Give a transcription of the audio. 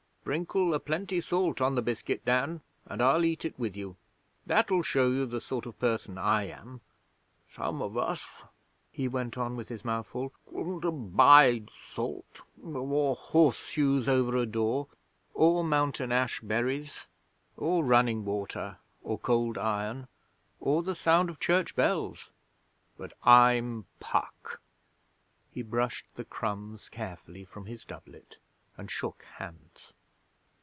Sprinkle a plenty salt on the biscuit, Dan, and I'll eat it with you. That'll show you the sort of person I am. Some of us' he went on, with his mouth full 'couldn't abide Salt, or Horse shoes over a door, or Mountain ash berries, or Running Water, or Cold Iron, or the sound of Church Bells. But I'm Puck!' He brushed the crumbs carefully from his doublet and shook hands.